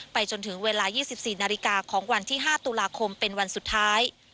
จนถึงเวลา๒๔นาฬิกาของวันที่๕ตุลาคมเป็นวันสุดท้าย